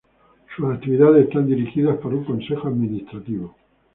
Sus actividades están dirigidas por un Consejo Administrativo.